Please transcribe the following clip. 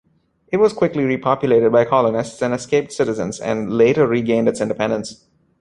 It was quickly repopulated by colonists and escaped citizens, and later regained its independence.